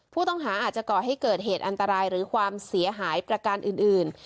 ผู้ต้องหาอาจจะก่อให้เกิดเหตุอันตรายหรือความเสียหายประการอื่น